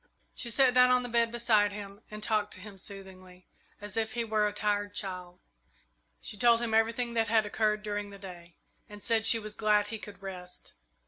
She sat down on the bed beside him and talked to him soothingly, as if he were a tired child. She told him everything that had occurred during the day, and said she was glad he could rest.